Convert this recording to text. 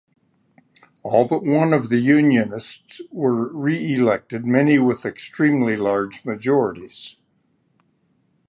All but one of the Unionists were re-elected, many with extremely large majorities.